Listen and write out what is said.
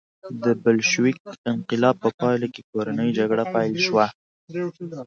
د بلشویک انقلاب په پایله کې کورنۍ جګړه پیل شوه